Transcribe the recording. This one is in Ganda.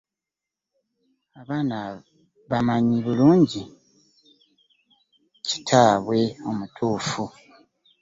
Abaana bamanyi bulungi kitaabwe omutuufu.